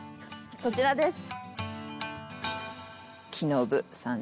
こちらです。